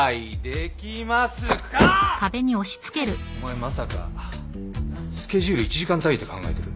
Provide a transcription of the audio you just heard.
お前まさかスケジュール１時間単位で考えてる？